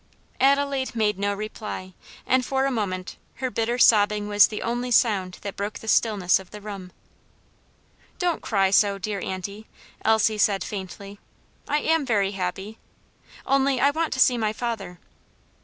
Adelaide made no reply, and for a moment her bitter sobbing was the only sound that broke the stillness of the room. "Don't cry so, dear auntie," Elsie said faintly. "I am very happy only I want to see my father."